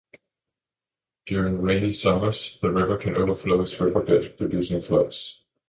During rainy summers, the river can overflow its riverbed producing floods.